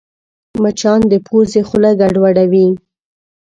مچان د پوزې خوله ګډوډوي